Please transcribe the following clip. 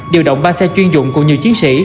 điều động ba xe chuyên dụng cùng nhiều chiến sĩ